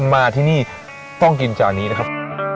มาที่นี่ต้องกินจานนี้นะครับ